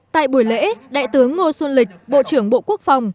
tại buổi lễ đại tướng ngô xuân lịch bộ trưởng bộ quốc phòng